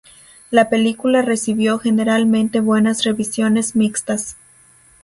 La película recibió generalmente buenas revisiones mixtas.